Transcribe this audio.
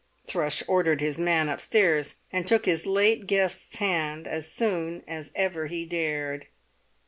Thrush ordered his man upstairs, and took his late guest's hand as soon as ever he dared.